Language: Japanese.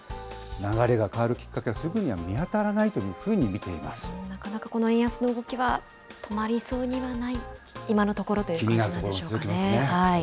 流れが変わるきっかけはすぐには見当たらないというふうに見ていなかなかこの円安の動きは、止まりそうにはない、今のところという感じなんでしょうね。